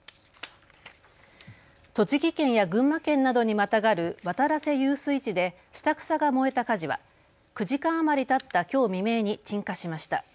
栃木県や群馬県などにまたがる渡良瀬遊水地で下草が燃えた火事は９時間余りたったきょう未明に鎮火しました。